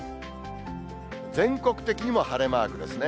全国的にも晴れマークですね。